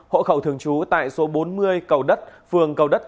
hộ khẩu thường trú tại số bốn mươi cầu đất phường cầu đất